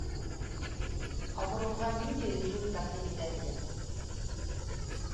Ауырыуға ниндәй режим тәҡдим итәһегеҙ?